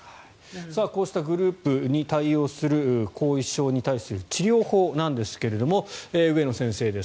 こうしたグループに対応する後遺症に対する治療法なんですけれども上野先生です。